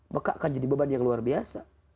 maka akan jadi beban yang luar biasa